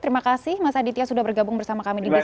terima kasih mas aditya sudah bergabung bersama kami di good